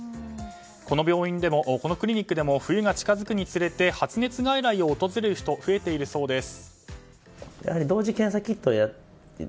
このクリニックでも冬が近づくにつれて発熱外来を訪れる人が増えているそうです。